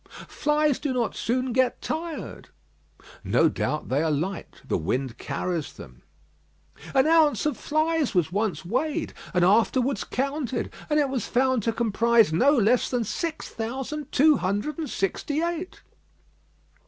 "Flies do not soon get tired." "No doubt; they are light; the wind carries them." "An ounce of flies was once weighed, and afterwards counted; and it was found to comprise no less than six thousand two hundred and sixty eight."